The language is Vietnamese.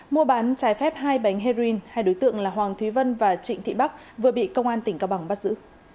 mua bán trái phép hai bánh heroin hai đối tượng là hoàng thúy vân và trịnh thị bắc vừa bị công an tỉnh cao bằng bắt giữ